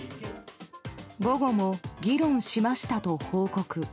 午後も議論しましたと報告。